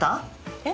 えっ？